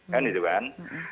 kan itu kan